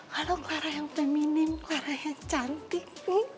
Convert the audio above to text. halo clara yang feminim clara yang cantik